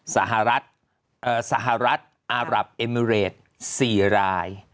สหรัฐสหรัฐอารับเอมิเรต๔ราย